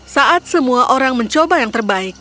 saat semua orang mencoba yang terbaik